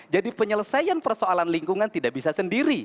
jadi penyelesaian persoalan lingkungan tidak bisa sendiri